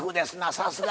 さすが。